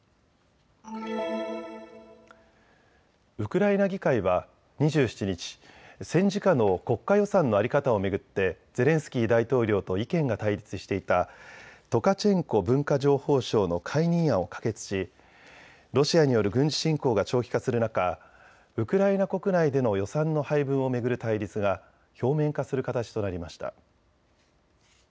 ウクライナ議会は２７日、戦時下の国家予算の在り方を巡ってゼレンスキー大統領と意見が対立していたトカチェンコ文化情報相の解任案を可決し、ロシアによる軍事侵攻が長期化する中、ウクライナ国内での予算の配分を巡る対立が表面化する形となりました。